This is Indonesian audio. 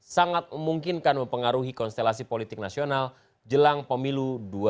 sangat memungkinkan mempengaruhi konstelasi politik nasional jelang pemilu dua ribu sembilan belas